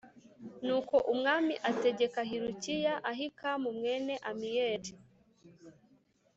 Nuko umwami ategeka Hilukiya Ahikamu mwene amiyeli